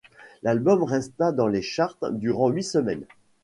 L'album resta dans les charts durant huit semaines.